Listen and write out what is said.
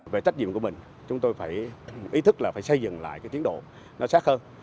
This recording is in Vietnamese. về trách nhiệm của mình chúng tôi phải ý thức là phải xây dựng lại cái tiến độ nó sát hơn